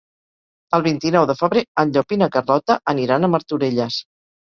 El vint-i-nou de febrer en Llop i na Carlota aniran a Martorelles.